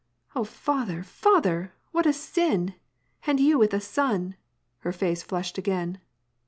" Oh, father, father ! What a sin ! And you with a son !" Her face flushed again.